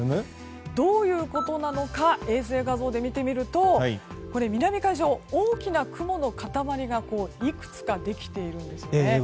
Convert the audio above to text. どういうことなのか衛星画像で見てみると南海上、大きな雲の塊がいくつかできているんですね。